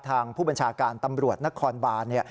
ทางผู้บัญชาการตำรวจนครบาน